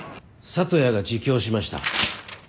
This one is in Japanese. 里谷が自供しました。